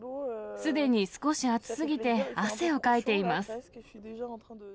すでに少し暑すぎて汗をかいています。